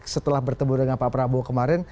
setelah bertemu dengan pak prabowo kemarin